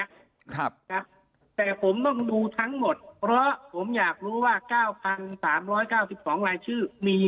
ครับแต่ผมต้องดูทั้งหมดเพราะผมอยากรู้ว่า๓๙๒ลายชื่อมี